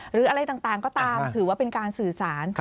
หรืออะไรต่างก็ตามถือว่าเป็นการสื่อสาร